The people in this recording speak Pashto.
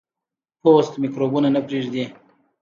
پوست میکروبونه نه پرېږدي.